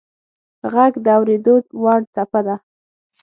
• ږغ د اورېدو وړ څپه ده.